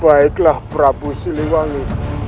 baiklah prabu siliwangi